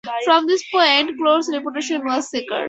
From this point, Claude's reputation was secured.